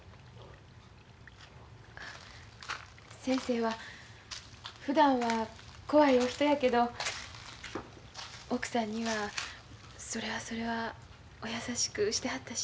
先生はふだんは怖いお人やけど奥さんにはそれはそれはお優しくしてはったし。